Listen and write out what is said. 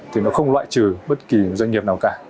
thì nó không loại trừ bất kỳ doanh nghiệp nào cả